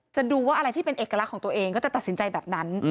ดูว่าอะไรที่เป็นเอกลักษณ์ของตัวเองก็จะตัดสินใจแบบนั้น